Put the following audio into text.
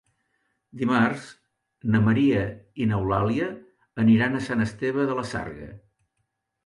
Dimarts na Maria i n'Eulàlia aniran a Sant Esteve de la Sarga.